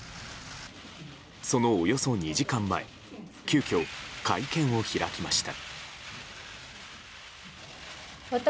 そのおよそ２時間前急遽、会見を開きました。